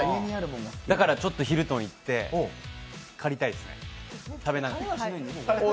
だから、ちょっとヒルトン行って、狩りたいですね。